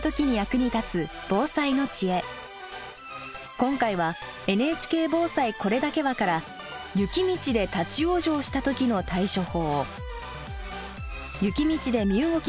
今回は「ＮＨＫ防災これだけは」から雪道で立往生した時の対処法。